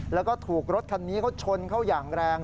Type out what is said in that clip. แล้วก็ถูกรถคันนี้เขาชนเข้าอย่างแรง